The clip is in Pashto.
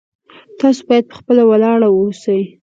تاسو باید په خپله ولاړ اوسئ